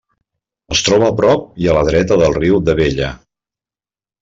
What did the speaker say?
Es troba a prop i a la dreta del riu d'Abella.